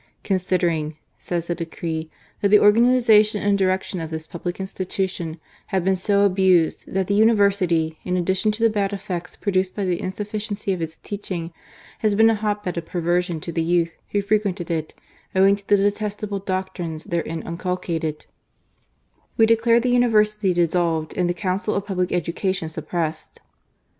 Considering," says the decree, " that the organization and direction of this public institution have been so abused that the University, in addition to the bad effects produced by the insufficiency of its teaching, has been a hot bed of perversion to the youth who frequented it, owing to the detestable doctrines therein inculcated, we declare the Univer sity dissolved, and the Council of Public Education suppressed."